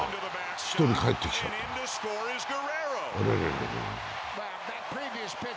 １人帰ってきちゃった、あれれれ。